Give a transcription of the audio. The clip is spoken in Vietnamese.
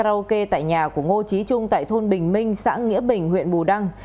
và hát karaoke tại nhà của ngô trí trung tại thôn bình minh xã nghĩa bình huyện bù đăng